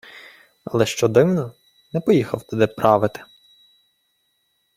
Але що дивно – не поїхав туди «правити»